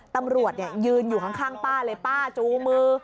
ตำรวจยืนอยู่ข้างป้าเลยป้าจูมือ